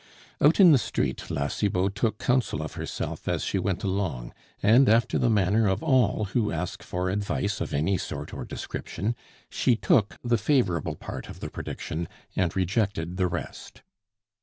Out in the street La Cibot took counsel of herself as she went along, and, after the manner of all who ask for advice of any sort or description, she took the favorable part of the prediction and rejected the rest.